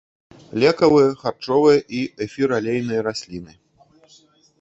Лекавыя, харчовыя і эфіраалейныя расліны.